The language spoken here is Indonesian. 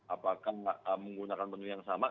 apakah menggunakan menu yang sama